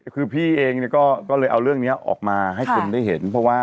คือพี่เองเนี้ยก็เลยเอาเรื่องเนี้ยออกมาให้สนได้เห็น